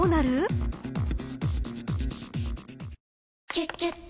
「キュキュット」